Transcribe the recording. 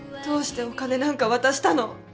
どうしてお金なんか渡したの？